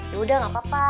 yaudah gak apa apa